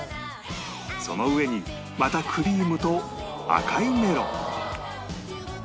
その上にまたクリームと赤いメロン